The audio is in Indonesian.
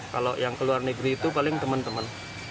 kalau yang ke luar negeri itu paling teman teman